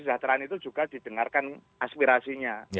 kejahteraan itu juga didengarkan aspirasinya